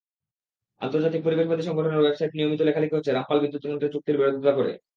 আন্তর্জাতিক পরিবেশবাদী সংগঠনের ওয়েবসাইটে নিয়মিত লেখালেখি হচ্ছে রামপাল বিদ্যুৎকেন্দ্র চুক্তির বিরোধিতা করে।